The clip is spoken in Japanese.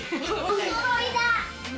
おそろいだ。